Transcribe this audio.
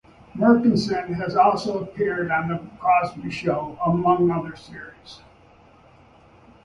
Merkerson has also appeared on "The Cosby Show", among other series.